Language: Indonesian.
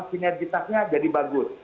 sinergitasnya jadi bagus